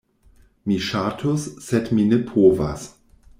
Mi ŝatus, sed mi ne povas.